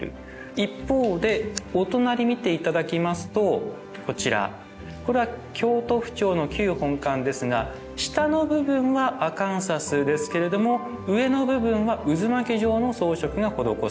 一方でお隣見て頂きますとこちらこれは京都府庁の旧本館ですが下の部分はアカンサスですけれども上の部分は渦巻き状の装飾が施されている。